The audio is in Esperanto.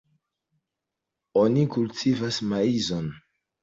Oni kultivas maizon.